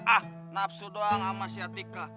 ah nafsu doang sama si atika